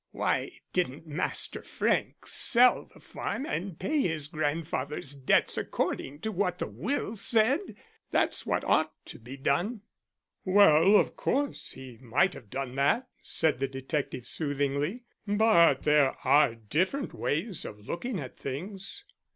"Why didn't Master Frank sell the farm and pay his grandfather's debts according to what the will said? That's what ought to be done." "Well, of course, he might have done that," said the detective soothingly. "But there are different ways of looking at things."